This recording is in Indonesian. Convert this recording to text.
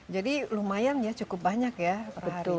jadi lumayan ya cukup banyak ya